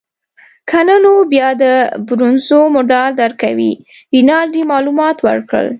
که نه نو بیا د برونزو مډال درکوي. رینالډي معلومات ورکړل.